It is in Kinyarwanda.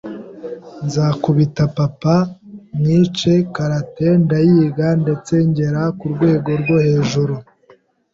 nzakubite papa mwice, karate ndayiga ndetse ngera ku rwego rwo hejuru